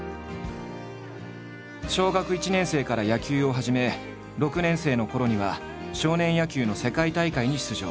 小学１年生から野球を始め６年生のころには少年野球の世界大会に出場。